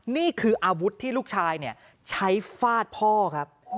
นี่คืออาวุธที่ลูกชายใช้ฟาดพ่อครับ